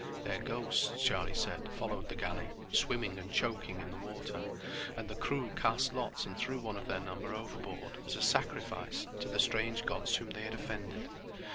Their ghosts, Charlie said, followed the galley, swimming and choking in the water, and the crew cast lots and threw one of their number overboard as a sacrifice to the strange gods whom they had offended.